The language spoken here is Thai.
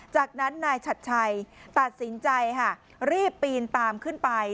จากนั้นนายชัดชัยตัดสินใจค่ะรีบปีนตามขึ้นไป